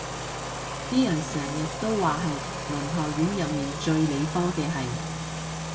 啲人成日都話係文學院入面最理科嘅系